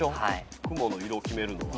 「雲の色を決めるのは」